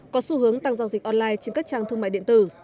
có xu hướng tăng giao dịch online trên các trang thương mại điện tử